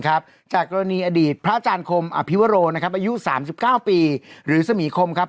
จากกรณีอดีตพระอาจารย์คมอภิวโรนะครับอายุ๓๙ปีหรือสมีคมครับ